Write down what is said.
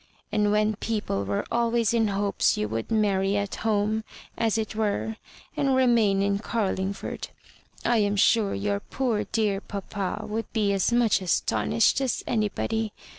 And when people were always in hopes you would marry at home, as it were, and re main in Garlingford. I am sure your poor dear papa would be as much astonished as anybody.